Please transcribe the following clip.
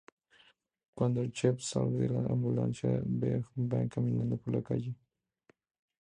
Cuando Chev sale de la ambulancia, ve a Johnny Vang caminando por la calle.